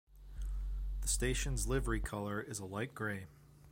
The station's livery colour is a light grey.